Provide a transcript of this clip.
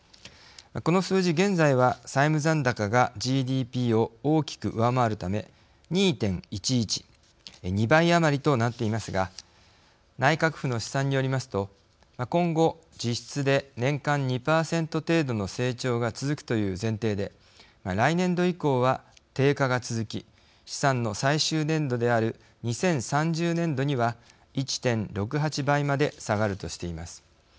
この数字、現在は、債務残高がＧＤＰを大きく上回るため２．１１２倍余りとなっていますが内閣府の試算によりますと今後、実質で年間２％程度の成長が続くという前提で来年度以降は低下が続き試算の最終年度である２０３０年度には１．６８倍まで下がるとしています。